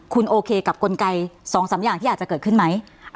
คุณโอเคกับกลไก๒๓อย่างที่อาจจะเกิดขึ้นไหม